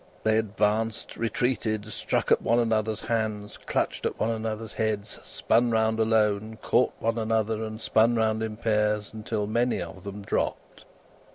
They advanced, retreated, struck at one another's hands, clutched at one another's heads, spun round alone, caught one another and spun round in pairs, until many of them dropped.